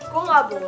kok ga boleh